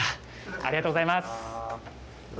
ありがとうございます。